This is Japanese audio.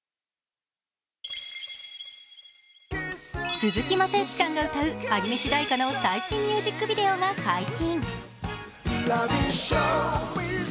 鈴木雅之さんが歌うアニメ主題歌の最新ミュージックビデオが解禁。